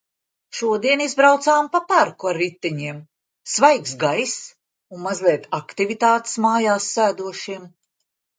Šodien izbraucām pa parku ar riteņiem – svaigs gaiss un mazliet aktivitātes mājās sēdošiem.